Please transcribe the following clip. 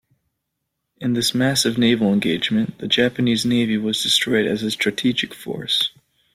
In this massive naval engagement, the Japanese Navy was destroyed as a strategic force.